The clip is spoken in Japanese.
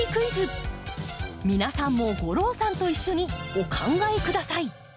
皆さんも吾郎さんと一緒にお考えください。